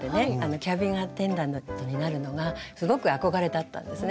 キャビンアテンダントになるのがすごく憧れだったんですね。